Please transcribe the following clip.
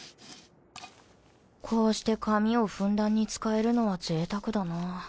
こうして紙をふんだんに使えるのは贅沢だな